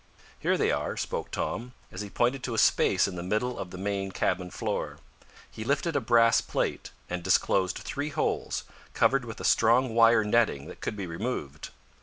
"Here they are," spoke Tom, as he pointed to a space in the middle of the main cabin floor. He lifted a brass plate, and disclosed three holes, covered with a strong wire netting that could be removed.